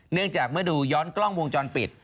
เนื่องจากเมื่อดูย้อนกล้องวงจรปิด